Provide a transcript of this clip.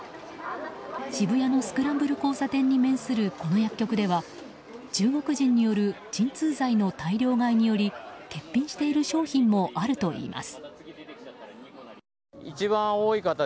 渋谷のスクランブル交差点に面するこの薬局では中国人による鎮痛剤の大量買いにより欠品している商品もあるといいます。